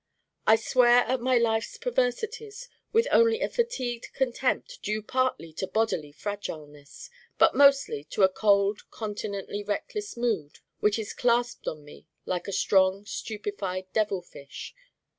I swear at my life's perversities with only a fatigued contempt due partly to bodily fragileness but mostly to a cold continently reckless mood which is clasped on me like a strong stupefied devil fish.